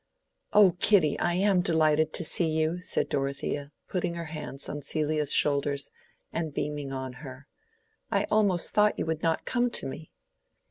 "O Kitty, I am delighted to see you!" said Dorothea, putting her hands on Celia's shoulders, and beaming on her. "I almost thought you would not come to me."